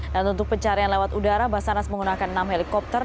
dan untuk pencarian lewat udara basarnas menggunakan enam helikopter